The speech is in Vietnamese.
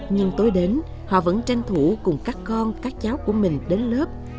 nhưng tối đến họ vẫn tranh thủ cùng các con các cháu của mình đến lớp